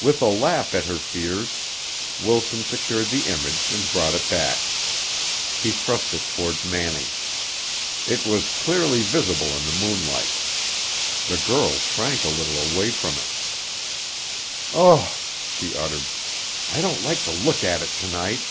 With a laugh at her fears, Wilson secured the image and brought it back. He thrust it towards Manning. It was clearly visible in the moonlight. The girl shrank a little away from it. "Ugh!" she shuddered. "I don't like to look at it to night."